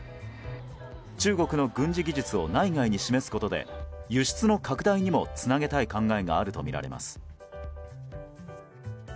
中国の軍事技術を内外に示すことで輸出の拡大にもつなげたい考えがあるとみられます。